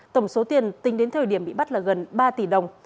tổng số tiền tính đến thời điểm bị bắt là gần ba tỷ đồng